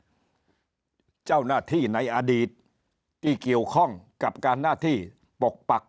เจ้าหน้าที่ในอดีตที่เกี่ยวข้องกับการหน้าที่ปกปัก